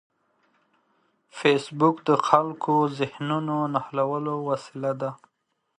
فېسبوک د خلکو د ذهنونو نښلولو وسیله ده